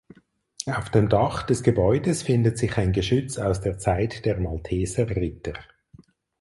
Auf dem Dach des Gebäudes findet sich ein Geschütz aus der Zeit der Malteserritter.